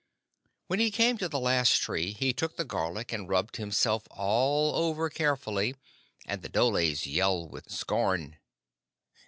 When he came to the last tree he took the garlic and rubbed himself all over carefully, and the dholes yelled with scorn.